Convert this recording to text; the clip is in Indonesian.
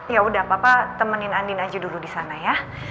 yaudah papa temenin andin aja dulu di sana ya